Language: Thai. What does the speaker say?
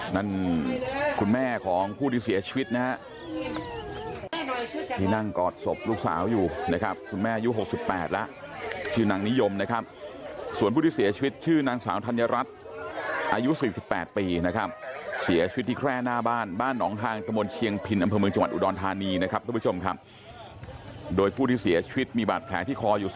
นั่นคุณแม่ของผู้ที่เสียชีวิตนะฮะที่นั่งกอดศพลูกสาวอยู่นะครับคุณแม่อายุ๖๘แล้วชื่อนางนิยมนะครับส่วนผู้ที่เสียชีวิตชื่อนางสาวธัญรัฐอายุ๔๘ปีนะครับเสียชีวิตที่แคร่หน้าบ้านบ้านหนองฮางตะมนต์เชียงพินอำเภอเมืองจังหวัดอุดรธานีนะครับทุกผู้ชมครับโดยผู้ที่เสียชีวิตมีบาดแผลที่คออยู่